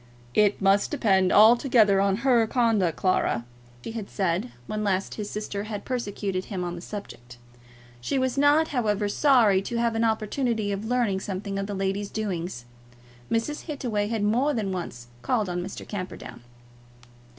"It must depend altogether on her conduct, Clara," he had said when last his sister had persecuted him on the subject. She was not, however, sorry to have an opportunity of learning something of the lady's doings. Mr. Hittaway had more than once called on Mr. Camperdown.